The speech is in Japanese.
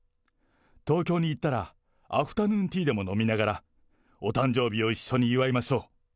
東京に行ったらアフタヌーンティーでも飲みながら、お誕生日を一緒に祝いましょう。